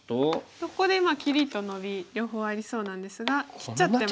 ここで切りとノビ両方ありそうなんですが切っちゃっても。